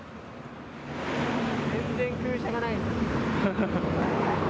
全然空車がないです。